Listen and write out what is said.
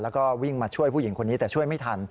แล้วก็วิ่งมาช่วยผู้หญิงคนนี้แต่ช่วยไม่ทัน